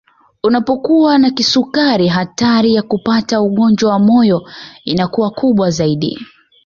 Unapokuwa na kisukari hatari ya kupata ugonjwa wa moyo inakuwa kubwa zaidi